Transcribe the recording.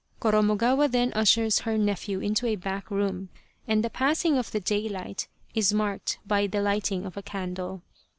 Koromogawa then ushers her nephew into a back room, and the passing of the daylight is marked by the lighting of a candle.